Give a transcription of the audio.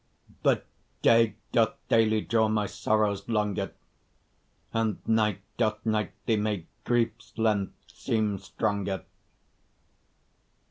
But day doth daily draw my sorrows longer, And night doth nightly make grief's length seem stronger.